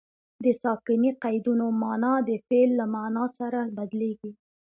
د ساکني قیدونو مانا د فعل له مانا سره بدلیږي.